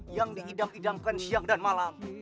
yang diidam idamkan siang dan malam